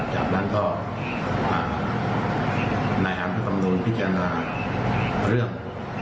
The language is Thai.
จากนั้นก็อ่าในอัทธรรมดลวงพิจารณาเรื่อง